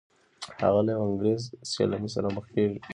هغه له یو انګریز سیلاني سره مخ کیږي.